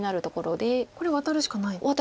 これワタるしかないですよね？